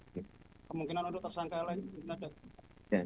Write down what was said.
kemungkinan untuk tersangka lain